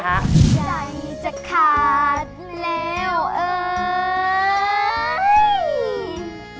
ใจจะขาดแล้วเอ่ย